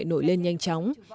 nổi lên nhanh chóng